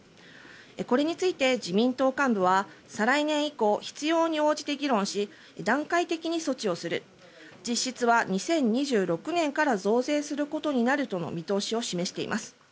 これについて自民党幹部は再来年以降、必要に応じて議論し段階的に措置をする実質は２０２６年から増税することになるとの見通しを示しています。